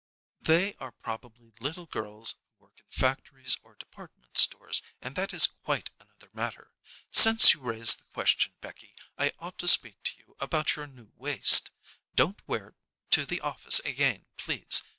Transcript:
"They are probably little girls who work in factories or department stores, and that is quite another matter. Since you raise the question, Becky, I ought to speak to you about your new waist. Don't wear it to the office again, please.